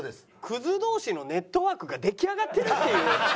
クズ同士のネットワークが出来上がってるっていう。